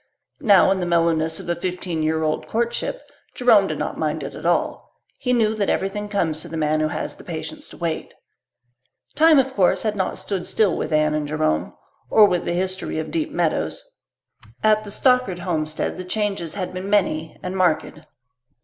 Now, in the mellowness of a fifteen year old courtship, Jerome did not mind it at all. He knew that everything comes to the man who has patience to wait. Time, of course, had not stood still with Anne and Jerome, or with the history of Deep Meadows. At the Stockard homestead the changes had been many and marked.